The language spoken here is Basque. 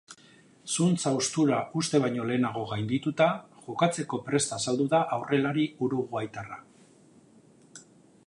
Zuntz haustura uste baino lehenago gaindituta, jokatzeko prest azaldu da aurrelari uruguaitarra.